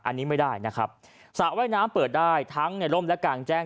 อันนี้ไม่ได้นะครับสระว่ายน้ำเปิดได้ทั้งในร่มและกลางแจ้ง